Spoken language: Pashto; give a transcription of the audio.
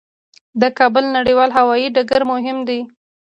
د کابل نړیوال هوايي ډګر مهم دی